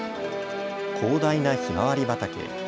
広大なひまわり畑。